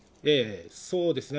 そうですね。